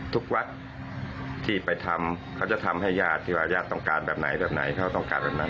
ทุกวัดที่ไปทำเขาจะทำให้ญาติที่ว่าญาติต้องการแบบไหนแบบไหนเขาต้องการแบบนั้น